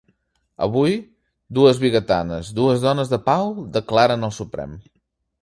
Avui, dues vigatanes, dues dones de pau, declaren al Suprem.